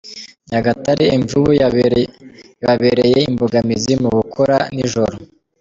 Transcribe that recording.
Nyagatare Imvubu yababereye imbogamizi mu gukora nijoro